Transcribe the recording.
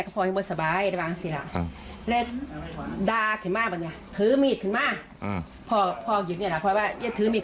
ยุฒิตรสันติธรรมดาเพื่อให้รอบและคุณคุณรู้ว๋ซื้ออุ่นให้